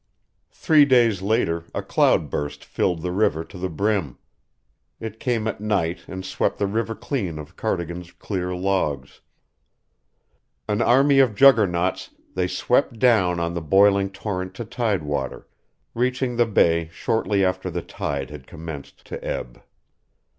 Three days later a cloud burst filled the river to the brim; it came at night and swept the river clean of Cardigan's clear logs, An army of Juggernauts, they swept down on the boiling torrent to tidewater, reaching the bay shortly after the tide had commenced to ebb.